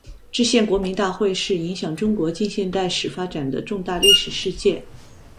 制宪国民大会是影响中国近现代史发展的重大历史事件。